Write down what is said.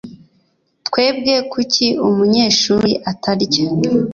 Twebwe kuki umunyeshuri atarya